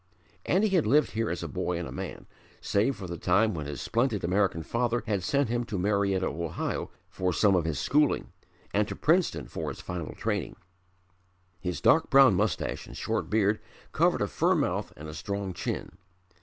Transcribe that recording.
And he had lived here as a boy and a man, save for the time when his splendid American father had sent him to Marietta, Ohio, for some of his schooling, and to Princeton for his final training. His dark brown moustache and short beard covered a firm mouth and a strong chin.